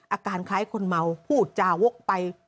อาการคล้ายคนเมาผู้อุจาวโว๊คไป